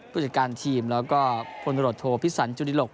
ผู้จัดการทีมแล้วก็พลโรโทพิศรรย์จุดิโรค